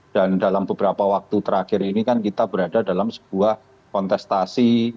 dan dalam beberapa waktu terakhir ini kan kita berada dalam sebuah kontestasi